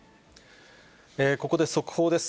ここで速報です。